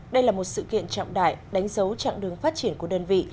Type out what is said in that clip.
đây là một sự kiện trọng đại đánh dấu chặng đường phát triển của đơn vị